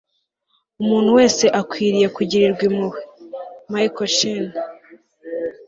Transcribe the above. umuntu wese akwiye kugirirwa impuhwe. - michael sheen